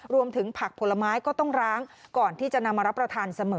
ผักผลไม้ก็ต้องร้างก่อนที่จะนำมารับประทานเสมอ